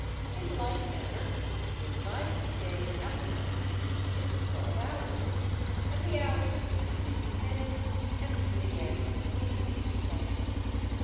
In like manner, they divided the day and the night each into twelve hours; and the hour into sixty minutes and these again into sixty seconds.